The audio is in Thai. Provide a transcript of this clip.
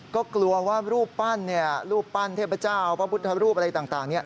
ก็กลัวว่ารูปปั้นเทพเจ้าพระพุทธรูปอะไรต่าง